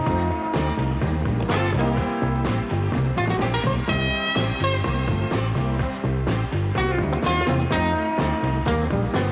โอ้โอ้โอ้